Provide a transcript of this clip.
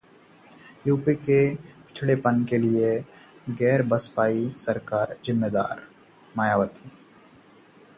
UP के पिछड़ेपन के लिये गैर बसपाई सरकारें जिम्मेदार: मायावती